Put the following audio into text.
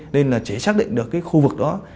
nên chỉ xác định được khu vực đó